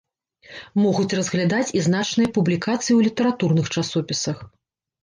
Могуць разглядаць і значныя публікацыі ў літаратурных часопісах.